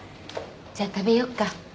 じゃ食べよっか。